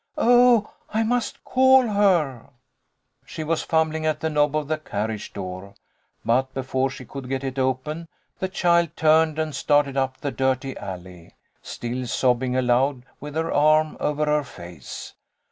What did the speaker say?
Oh, I must call her !" She was fumbling at the knob of the carriage door, but before she could get it open, the child turned and started up the dirty alley, still sobbing aloud, with her arm over her face.